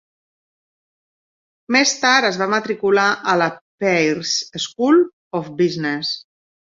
Més tard es va matricular a la Peirce School of Business.